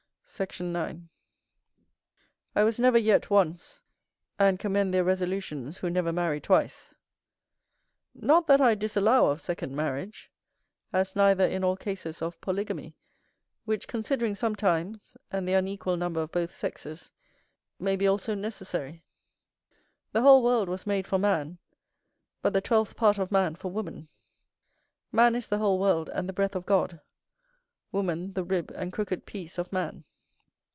Sect. 9. I was never yet once, and commend their resolutions who never marry twice. Not that I disallow of second marriage; as neither in all cases of polygamy, which considering some times, and the unequal number of both sexes, may be also necessary. The whole world was made for man, but the twelfth part of man for woman. Man is the whole world, and the breath of God; woman the rib and crooked piece of man.